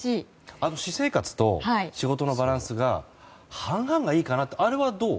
あと、私生活と仕事のバランスが、半々がいいかなってあれはどう？